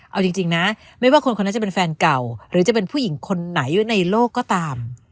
เอาจริงนะไม่ว่าคนคนนั้นจะเป็นแฟนเก่าหรือจะเป็นผู้หญิงคนไหนในโลกก็ตาม